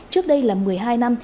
trước đây là một mươi hai năm